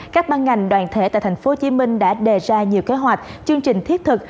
các ban ngành đoàn thể tại tp hcm đã đề ra nhiều kế hoạch chương trình thiết thực